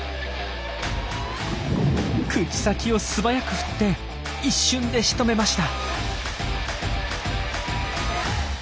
口先を素早く振って一瞬でしとめました。